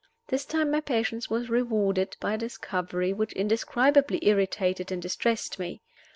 This time my patience was rewarded by a discovery which indescribably irritated and distressed me.